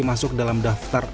masuk dalam daftar